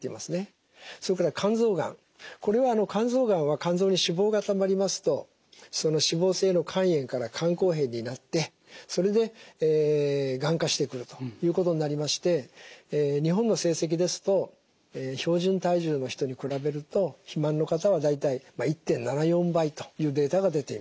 それから肝臓がんこれは肝臓がんは肝臓に脂肪がたまりますとその脂肪性の肝炎から肝硬変になってそれでがん化してくるということになりまして日本の成績ですと標準体重の人に比べると肥満の方は大体１．７４倍というデータが出ています。